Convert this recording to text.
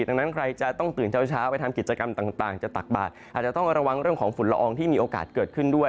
ดังนั้นใครจะต้องตื่นเช้าไปทำกิจกรรมต่างจะตักบาทอาจจะต้องระวังเรื่องของฝุ่นละอองที่มีโอกาสเกิดขึ้นด้วย